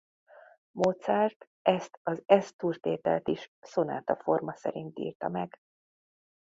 Mozart ezt az Esz-dúr tételt is szonátaforma szerint írta meg.